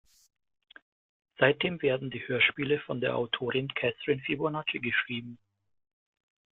Seitdem werden die Hörspiele von der Autorin Catherine Fibonacci geschrieben.